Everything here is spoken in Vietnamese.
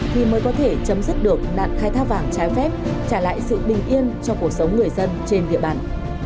thì mới có thể chấm dứt được nạn khai thác vàng trái phép trả lại sự bình yên cho cuộc sống người dân trên địa bàn